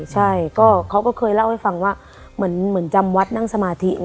ใช่ก็เขาก็เคยเล่าให้ฟังว่าเหมือนจำวัดนั่งสมาธิ